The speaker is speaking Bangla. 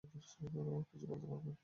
ওহ, কিছু বলতে পারবেন?